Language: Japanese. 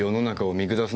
見下す？